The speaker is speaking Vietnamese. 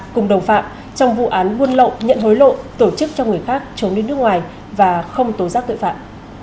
cùng đồng phạm trong vụ án buôn lộ nhận hối lộ tổ chức cho người khác chống đến nước ngoài và không tố giác tội phạm